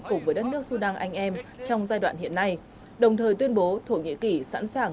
cùng với đất nước sudan anh em trong giai đoạn hiện nay đồng thời tuyên bố thổ nhĩ kỳ sẵn sàng